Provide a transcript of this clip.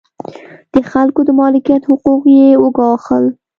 د خلکو د مالکیت حقوق یې وګواښل.